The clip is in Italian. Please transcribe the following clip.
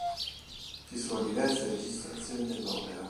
Ci sono diverse registrazioni dell'opera.